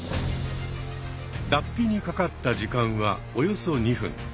だっぴにかかった時間はおよそ２分。